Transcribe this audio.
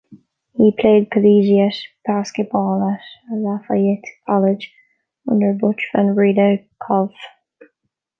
He played collegiate basketball at Lafayette College under Butch Van Breda Kolff.